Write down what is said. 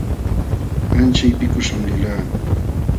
Ancha qipikuśham lilqaa.